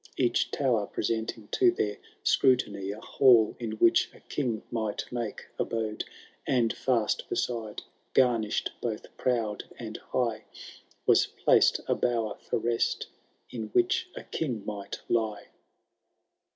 Each tower i»esenting to their scrutiny A hall in which a king might make abode, And &st beside, gamishM both proud and high. Was placed a bower for rest in which a king might lie.